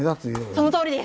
そのとおりです！